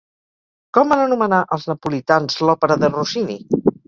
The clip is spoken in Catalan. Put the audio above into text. Com van anomenar els napolitans l'òpera de Rossini?